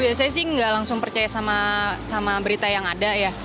biasanya sih nggak langsung percaya sama berita yang ada ya